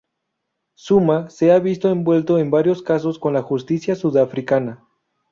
Zuma se ha visto envuelto en varios casos con la justicia sudafricana.